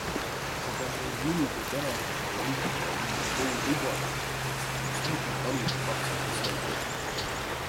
Aga me ei julge tänavu seda Elfi enam oma koju lubada, sest ma ei suuda taluda lapse pisaraid.